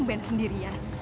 uben sendiri ya